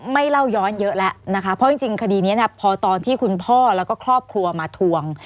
ไม่เล่าย้อนเยอะแล้วนะคะเพราะจริงคดีนี้พอตอนที่คุณพ่อแล้วก็ครอบครัวมาทวง